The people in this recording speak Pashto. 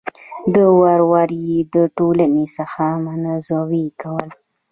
او ور ور يې د ټـولنـې څـخـه منـزوي کـول .